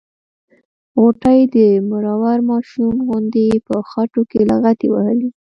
غوټۍ د مرور ماشوم غوندې په خټو کې لغتې وهلې.